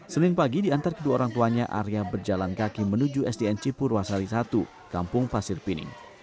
senin pagi di antar kedua orang tuanya arya berjalan kaki menuju sdn cipur wasari satu kampung pasir pining